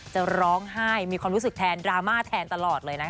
จะร้องไห้มีความรู้สึกแทนดราม่าแทนตลอดเลยนะคะ